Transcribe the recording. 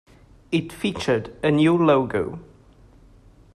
It featured a new logo.